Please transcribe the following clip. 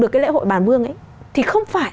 được cái lễ hội bàn mương ấy thì không phải